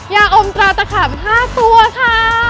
ยาอมตราตะขำ๕ตัวค่ะ